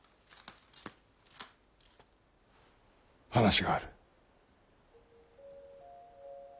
話がある。